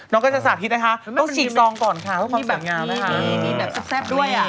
ต้องฉีดซองก่อนค่ะเพราะความสวยงามนะคะ